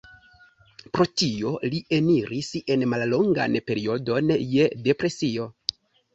Pro tio li eniris en mallongan periodon je depresio.